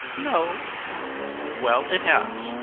"No." "Well, it has.